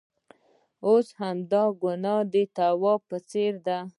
اوس همدا ګناه د ثواب په څېر ده.